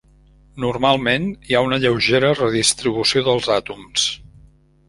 Normalment hi ha una lleugera redistribució dels àtoms.